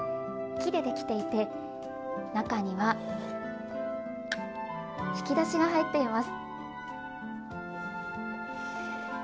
木で出来ていて中には引き出しが入っています。